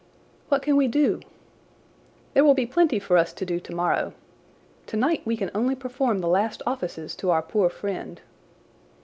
"What can we do?" "There will be plenty for us to do tomorrow. Tonight we can only perform the last offices to our poor friend."